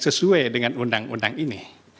sesuai dengan undang undang ini